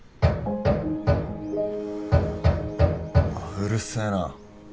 ・うるせえな。